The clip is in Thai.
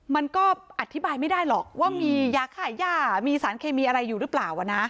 มันก็อธิบายไม่ได้หรอกว่ามียาขายย่ามีสารเคมีอะไรอยู่หรือเปล่า